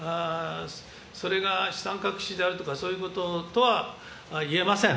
それが資産隠しであるとか、そういうこととはいえません。